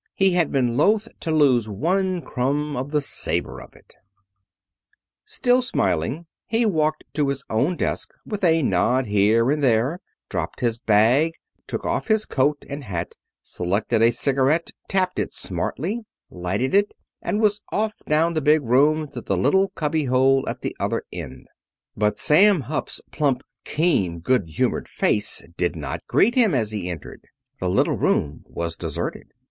He had been loath to lose one crumb of the savor of it. [Illustration: "'Well, raw thah!' he drawled"] Still smiling, he walked to his own desk, with a nod here and there, dropped his bag, took off coat and hat, selected a cigarette, tapped it smartly, lighted it, and was off down the big room to the little cubby hole at the other end. But Sam Hupp's plump, keen, good humored face did not greet him as he entered. The little room was deserted.